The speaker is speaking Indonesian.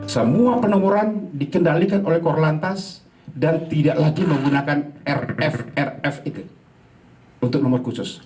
semua penomoran dikendalikan oleh korlantas dan tidak lagi menggunakan rfr itu untuk nomor khusus